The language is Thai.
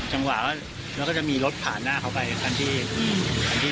จังหวะเราก็จะมีรถผ่านหน้าเขาไปทางที่ตรงนี้